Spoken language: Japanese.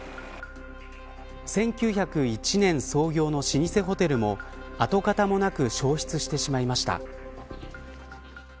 １９０１年創業の老舗ホテルも跡形もなく焼失してしまいました。